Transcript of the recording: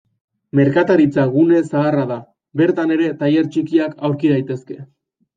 Merkataritza gune zaharra da; bertan ere tailer txikiak aurki daitezke.